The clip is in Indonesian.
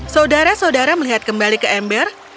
saudara saudara melihat kembali ke ember